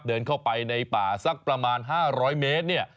เดินเข้าไปในป่าสักประมาณ๕๐๐เมตรเนี่ย